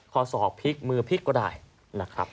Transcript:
ศอกพลิกมือพลิกก็ได้นะครับ